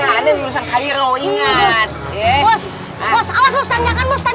ada yang bilang